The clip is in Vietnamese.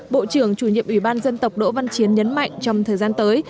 bộ trưởng chủ nhiệm ủy ban dân tộc đỗ văn chiến nhấn mạnh trong thời gian tới